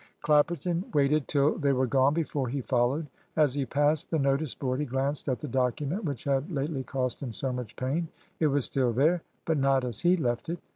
Clapperton waited till they were gone before he followed. As he passed the notice board he glanced at the document which had lately cost him so much pain. It was still there; but not as he left it.